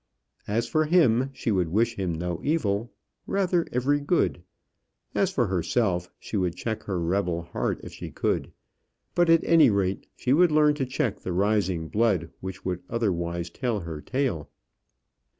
As for him, she would wish him no evil, rather every good. As for herself, she would check her rebel heart if she could; but, at any rate, she would learn to check the rising blood which would otherwise tell her tale.